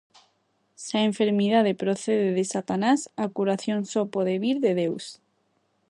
Se a enfermidade procede de Satanás, a curación só pode vir de Deus.